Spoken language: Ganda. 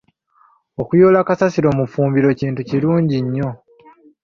Okuyoola kasasiro mu ffumbiro kintu kirungi nnyo.